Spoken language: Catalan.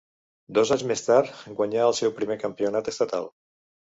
Dos anys més tard guanyà el seu primer campionat estatal.